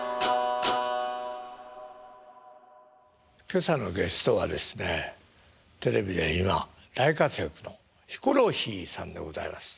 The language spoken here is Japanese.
今朝のゲストはですねテレビで今大活躍のヒコロヒーさんでございます。